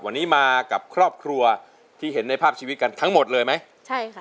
วันนี้มากับครอบครัวที่เห็นในภาพชีวิตกันทั้งหมดเลยไหมใช่ค่ะ